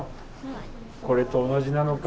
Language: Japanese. これと同じなのか？